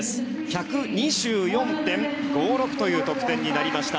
１２４．５６という得点になりました。